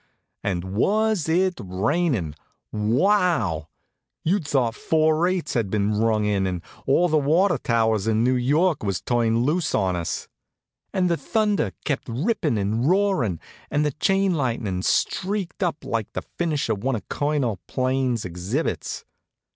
And was it rainin'? Wow! You'd thought four eights had been rung in and all the water towers in New York was turned loose on us. And the thunder kept rippin' and roarin', and the chain lightnin' streaked things up like the finish of one of Colonel Pain's exhibits.